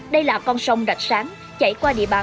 đây là con sông rạch sáng chảy qua địa bàn